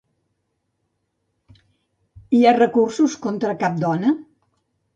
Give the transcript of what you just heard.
Hi ha recursos contra cap dona?